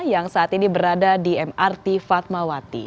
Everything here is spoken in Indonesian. yang saat ini berada di mrt fatmawati